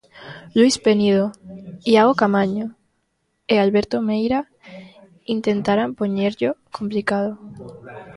Luís Penido, Iago Caamaño e Alberto Meira intentarán poñerllo complicado.